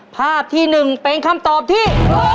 ภาพที่๑เป็นคำตอบที่